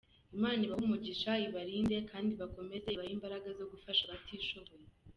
Imana ibahe umugisha, ibarinde kandi ikomeze ibahe imbaraga zo gufasha abatishoboye.